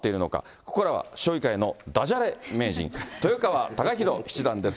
ここからは将棋界のだじゃれ名人、豊川孝弘七段です。